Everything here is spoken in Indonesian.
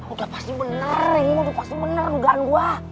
udah pasti bener ya robby pasti bener dugaan gue